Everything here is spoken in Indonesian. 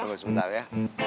tunggu sebentar ya